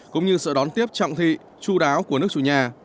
cũng như sự đón tiếp trọng thị chú đáo của nước chủ nhà